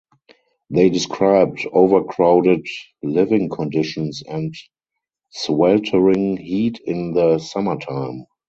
They described overcrowded living conditions and sweltering heat in the summertime.